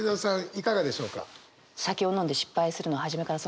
いかがでしょうか？